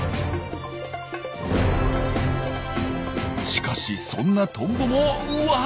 しかしそんなトンボもうわ！